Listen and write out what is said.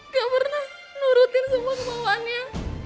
gak pernah nurutin semua kebawaannya